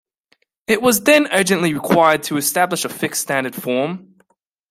It was then urgently required to establish a fixed standard form.